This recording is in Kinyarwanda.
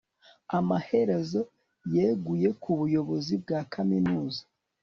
amaherezo yeguye ku buyobozi bwa kaminuza